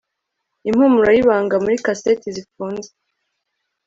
Impumuro yibanga muri kaseti zifunze